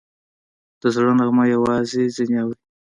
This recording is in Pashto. د زړه نغمه یوازې ځینې اوري